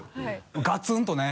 「ガツンとね」